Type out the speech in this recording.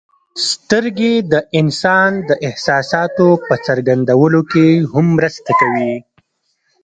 سترګې د انسان د احساساتو په څرګندولو کې هم مرسته کوي.